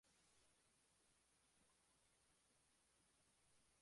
En su actividad educativa ofrece varios tipos de clase: particulares y en grupo.